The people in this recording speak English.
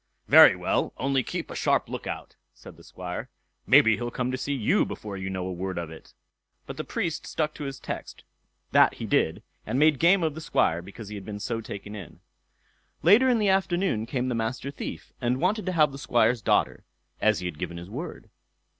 "Very well—only keep a sharp look out", said the Squire; "maybe he'll come to see you before you know a word of it." But the Priest stuck to his text—that he did, and made game of the Squire because he had been so taken in. Later in the afternoon came the Master Thief, and wanted to have the Squire's daughter, as he had given his word.